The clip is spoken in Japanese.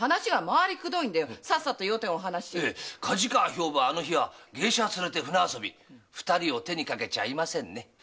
梶川はあの日芸者を連れて舟遊び二人を手にかけちゃいませんね。